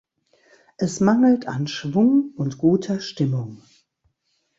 Es mangelt an Schwung und guter Stimmung.